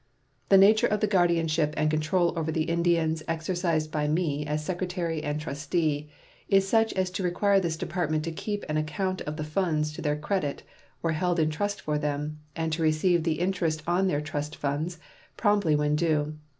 The nature of the guardianship and control over the Indians exercised by me as Secretary and trustee is such as to require this Department to keep an account of the funds to their credit or held in trust for them, and to receive the interest on their trust funds promptly when due.